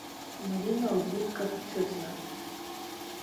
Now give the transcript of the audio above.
Марина лбудка дҭыҵны.